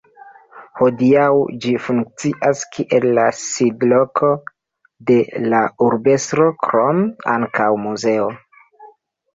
Hodiaŭ, ĝi funkcias kiel la sidloko de la urbestro, krome ankaŭ muzeo.